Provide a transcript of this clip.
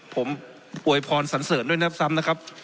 ผมอวยพรสันเสริญด้วยนะครับซ้ำนะครับ